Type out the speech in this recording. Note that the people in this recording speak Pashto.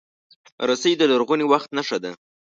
رسۍ د لرغوني وخت نښه ده.